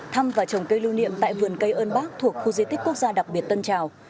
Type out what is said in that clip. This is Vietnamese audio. thăm và trồng cây lưu niệm tại vườn cây ơn bác thuộc khu di tích quốc gia đặc biệt tân trào